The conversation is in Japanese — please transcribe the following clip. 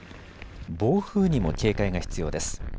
暴風にも警戒が必要です。